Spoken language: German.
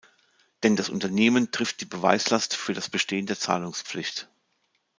Denn das Unternehmen trifft die Beweislast für das Bestehen der Zahlungspflicht.